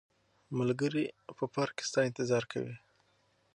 ملګري په پارک کې ستا انتظار کوي.